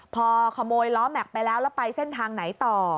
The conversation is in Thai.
พอขโมยล้อแม็กซ์ไปแล้วแล้วไปเส้นทางไหนต่อ